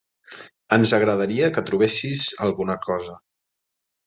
Ens agradaria que trobessis alguna cosa.